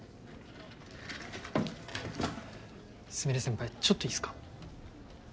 菫先輩ちょっといいっすか？